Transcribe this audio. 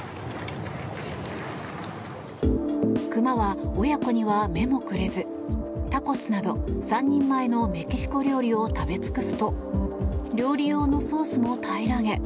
クマは親子には目もくれずタコスなど、３人前のメキシコ料理を食べ尽くすと料理用のソースも平らげ。